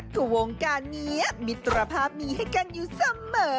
คือวงการนี้มิตรภาพนี้ให้กันอยู่เสมอ